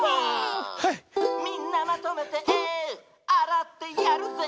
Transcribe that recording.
「みんなまとめてあらってやるぜ」